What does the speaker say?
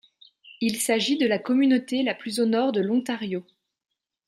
Il s'agit de la communauté la plus au nord de l'Ontario.